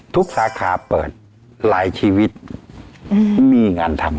สาขาเปิดหลายชีวิตมีงานทำ